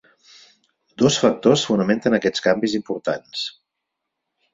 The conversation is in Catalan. Dos factors fonamenten aquests canvis importants.